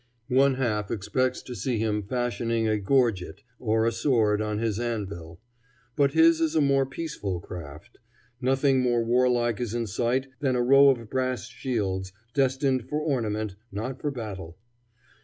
One half expects to see him fashioning a gorget or a sword on his anvil. But his is a more peaceful craft. Nothing more warlike is in sight than a row of brass shields, destined for ornament, not for battle.